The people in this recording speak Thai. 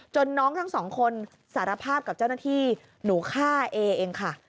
น้องทั้งสองคนสารภาพกับเจ้าหน้าที่หนูฆ่าเอเองค่ะ